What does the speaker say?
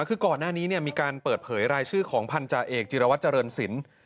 คือก่อนหน้านี้มีการเปิดเผยรายชื่อของพันธาเอกจิรวัตรเจริญศิลป์